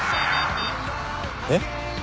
えっ？